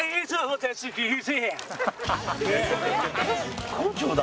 絶好調だ！